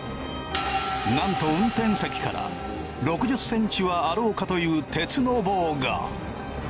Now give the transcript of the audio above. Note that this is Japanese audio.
なんと運転席から６０センチはあろうかという鉄の棒が。